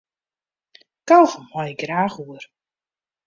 Kaugom mei ik graach oer.